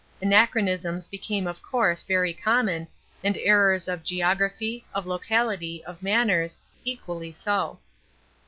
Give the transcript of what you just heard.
Anachronisms became of course very common, and errors of geography, of locality, of manners, equally so.